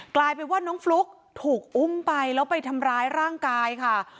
กลายเป็นว่าน้องฟลุ๊กถูกอุ้มไปแล้วไปทำร้ายร่างกายค่ะ